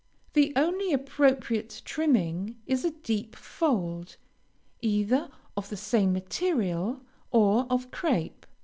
The only appropriate trimming is a deep fold, either of the same material or of crape.